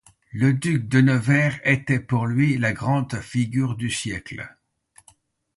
Le duc de Nevers était pour lui la grande figure du siècle.